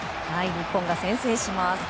日本が先制します。